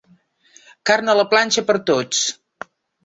Carn a la planxa per a tots